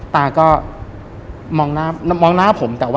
ตาก็มองหน้าผม